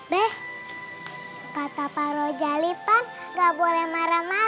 be kata pak rojalipan nggak boleh marah marah